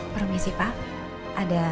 promisi pak ada